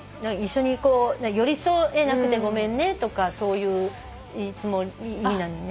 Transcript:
「寄り添えなくてごめんね」とかそういう意味なのね。